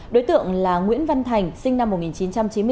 đối tượng là nguyễn văn thành sinh năm một nghìn chín trăm chín mươi bốn